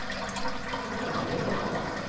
またこの真逆のパターンですね。